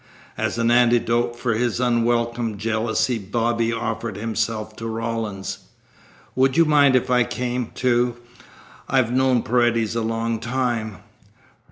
As an antidote for his unwelcome jealousy Bobby offered himself to Rawlins. "Would you mind if I came, too? I've known Paredes a long time."